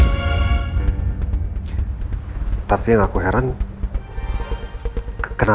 mama pernah nonton apa yang andi buatan disini